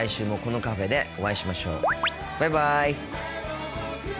バイバイ。